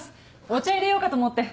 お茶入れようかと思って。